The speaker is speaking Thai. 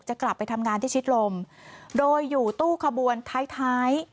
จะกลับไปทำงานที่ชิดลมโดยอยู่ตู้กระบวนท้าย